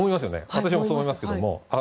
私もそう思いますけども。